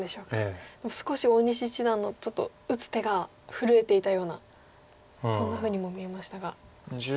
でも少し大西七段のちょっと打つ手が震えていたようなそんなふうにも見えましたが。